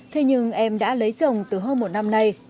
thế nhưng em đã lấy chồng từ hơn một năm nay